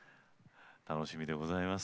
楽しみでございます。